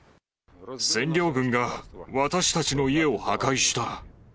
占領軍が私たちの家を破壊した。